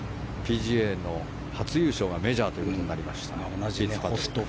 ＰＧＡの初優勝がメジャーということになりましたフィッツパトリック。